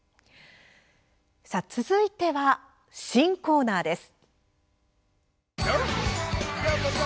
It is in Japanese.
続いては新コーナーです。